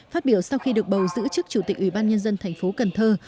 phát biểu sau khi được bầu giữ chức chủ tịch ủy ban nhân dân thành phố cần thơ